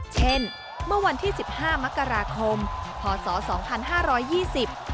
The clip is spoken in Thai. เช่นเมื่อวันที่๑๕มกราคมพศ๒๕๒๐